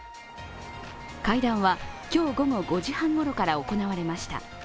会談は今日午後５時半ごろから行われました。